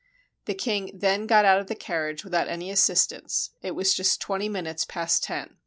The king then got out of the carriage without any assistance; it was just twenty min utes past ten.